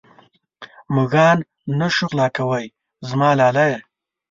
مږان نه شو غلا کوې زما لالیه.